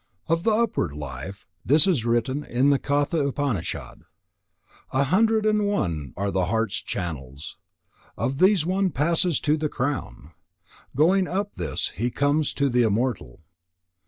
Of the upward life, this is written in the Katha Upanishad: "A hundred and one are the heart's channels; of these one passes to the crown. Going up this, he comes to the immortal."